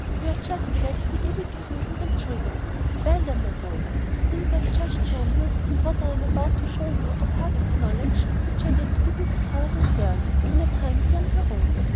You are just glad to be able to use and enjoy them. Well, then, my boy, the things I have just shown you, and what I am about to show you now, are parts of knowledge which are yet to be discovered and learned, in a time beyond your own.